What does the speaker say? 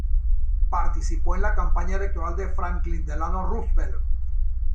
Participó en la campaña electoral de Franklin Delano Roosevelt.